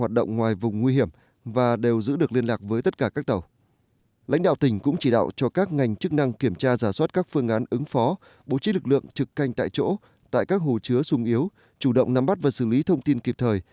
tỉnh bà rịa vũng tàu chỉ đạo các ngành chức năng kiểm tra giả soát các phương án ứng phó bố trích lực lượng trực canh tại chỗ tại các hồ chứa sung yếu chủ động nắm bắt và xử lý thông tin kịp thời